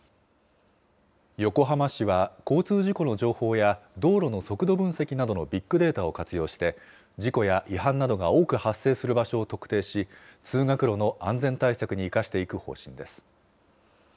横浜市は交通事故の情報や道路の速度分析などのビッグデータを活用して、事故や違反などが多く発生する場所を特定し、通学路の安全対策に生かしていく方針です。